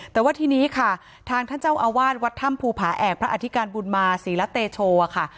แต่ว่าทีนี้ค่ะทางท่านเจ้าอาวาสวัดถ้ำภูผาแอกพระอธิการบุญมาศรีละเตโชค่ะ